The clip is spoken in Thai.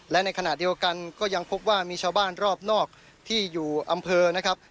และในขณะเดียวกันก็ยังพบว่ามีชาวบ้านรอบนอกที่อยู่อำเภอนะครับ